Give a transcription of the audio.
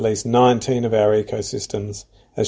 dan menerangkan sekitar sembilan belas ekosistem kita